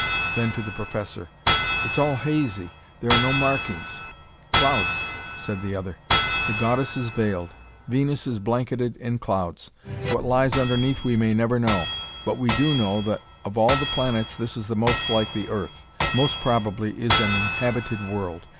Then to the professor: "It's all hazy. There are no markings " "Clouds," said the other. "The goddess is veiled; Venus is blanketed in clouds. What lies underneath we may never know, but we do know that of all the planets this is most like the earth; most probably is an inhabited world.